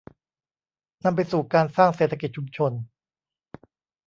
นำไปสู่การสร้างเศรษฐกิจชุมชน